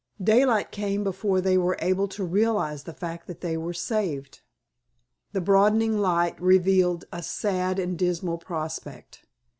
Daylight came before they were able to realize the fact that they were saved. The broadening light revealed a sad and dismal prospect.